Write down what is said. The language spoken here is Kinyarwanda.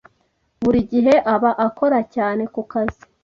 Buri gihe aba akora cyane kukazi.